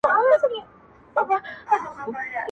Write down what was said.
څومره غښتلی څومره بېباکه٫